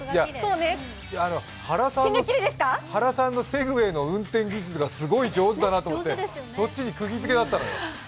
原さんのセグウェイの運転技術がすごい上手だなと思って、そっちにくぎづけだったのよ。